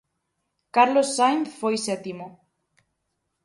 Carlos Sainz foi sétimo.